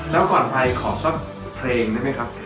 แล้วก่อนไปขอซ่อมเพลงได้มั้ยครับ